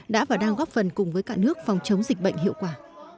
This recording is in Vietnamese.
đã và đang góp phần cùng với cả nước phòng chống dịch bệnh hiệu quả